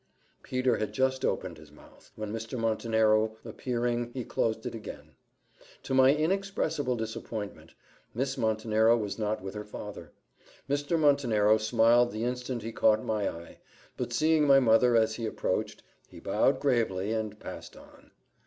Peter had just opened his mouth, when Mr. Montenero appearing, he closed it again. To my inexpressible disappointment, Miss Montenero was not with her father. Mr. Montenero smiled the instant he caught my eye, but seeing my mother as he approached, he bowed gravely, and passed on.